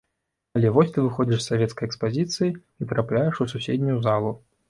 Але вось ты выходзіш з савецкай экспазіцыі і трапляеш у суседнюю залу.